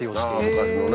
昔のね